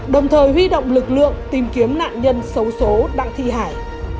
đồng thời huy động lực lượng tìm kiếm nạn nhân xấu xố đặng thi hải